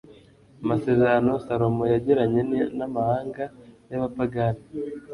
amasezerano salomo yagiranye n'amahanga y'abapagani